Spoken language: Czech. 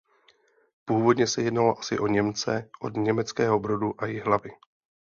Původně se jednalo asi o Němce od Německého Brodu a Jihlavy.